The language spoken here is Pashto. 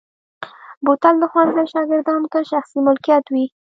بوتل د ښوونځي شاګردانو ته شخصي ملکیت وي.